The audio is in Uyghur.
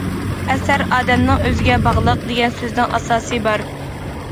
‹‹ ئەسەر ئادەمنىڭ ئۆزىگە باغلىق›› دېگەن سۆزنىڭ ئاساسى بار.